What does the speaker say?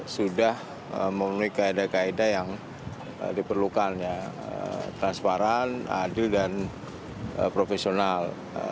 sudah memenuhi kaedah kaedah yang diperlukan transparan adil dan profesional